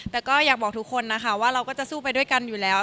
แต่ก็อยากบอกทุกคนนะคะว่าเราก็จะสู้ไปด้วยกันอยู่แล้ว